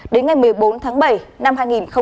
đến ngày một mươi bốn tháng bảy năm hai nghìn một mươi bảy